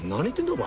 お前。